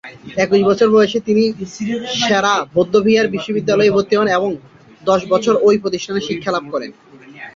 একুশ বছর বয়সে তিনি সে-রা বৌদ্ধবিহার বিশ্ববিদ্যালয়ে ভর্তি হন এবং দশ বছর ঐ প্রতিষ্ঠানে শিক্ষালাভ করেন।